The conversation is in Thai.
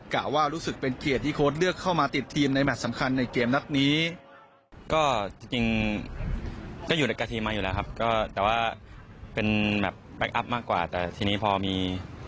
กล่าวว่ารู้สึกเป็นเกลียดที่โค้ดเลือกเข้ามาติดทีมในแมพสำคัญในเกมนักนี้